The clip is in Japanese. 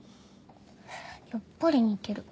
やっぱり似てる。